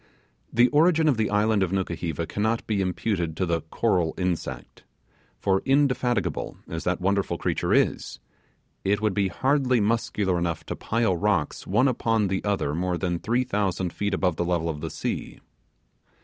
The origin of the island of Nukuheva cannot be imputed to the coral insect; for indefatigable as that wonderful creature is, it would be hardly muscular enough to pile rocks one upon the other more than three thousand feet above the level of the sea.